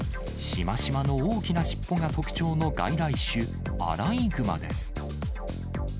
しましまの大きな尻尾が特徴の外来種、アライグマです。